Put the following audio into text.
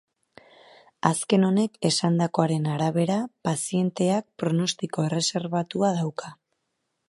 Azken honek esandakoaren arabera, pazienteak pronostiko erreserbatua dauka.